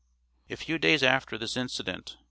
A few days after this incident, Dec.